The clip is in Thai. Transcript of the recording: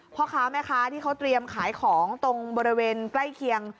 พ่อค้าแม่ค้าที่เขาเตรียมขายของตรงบริเวณใกล้เคียง